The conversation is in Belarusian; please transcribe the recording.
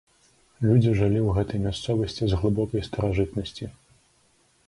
Людзі жылі ў гэтай мясцовасці з глыбокай старажытнасці.